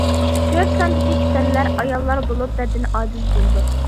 كۆپ ساندىكى كېسەللەر ئاياللار بولۇپ، بەدىنى ئاجىز بولىدۇ.